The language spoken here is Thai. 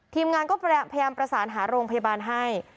ทีมงานก็พยายามประสานหาโรงพยาบาลให้